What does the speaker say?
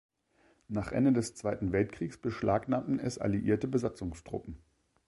Nach Ende des Zweiten Weltkriegs beschlagnahmten es alliierte Besatzungstruppen.